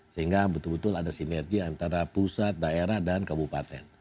sehingga betul betul ada sinergi antara pusat daerah dan kabupaten